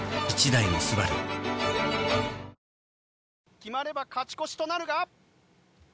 決まれば勝ち越しとなるが。